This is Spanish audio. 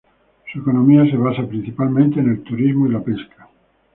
Su economía se basa principalmente en el turismo y la pesca.